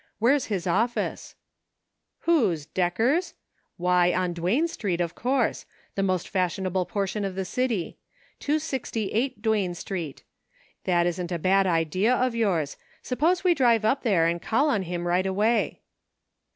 Where's his office .*" "Whose, Decker's .'' Why, on Duane Street, of course ; the most fashionable portion of the city ; 268 Duane Street ; that isn't a bad idea of yours ; suppose we drive up there and call on him right away."